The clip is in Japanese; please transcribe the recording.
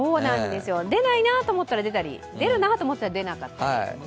出ないなと思ったら出たり出るなと思ったら出なかったり。